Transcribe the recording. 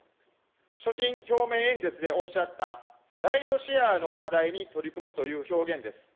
所信表明演説でおっしゃった、ライドシェアの課題に取り組むという表現です。